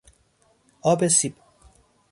آب سیب